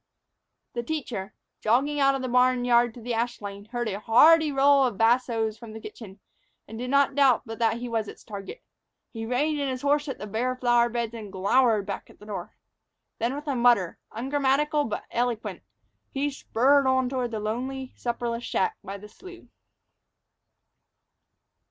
THE teacher, jogging out of the barn yard to the ash lane, heard a hearty roll of bassos from the kitchen, and did not doubt but that he was its target. He reined in his horse at the bare flower beds and glowered back at the door. Then, with a mutter, ungrammatical but eloquent, he spurred on toward the lonely, supperless shack by the slough.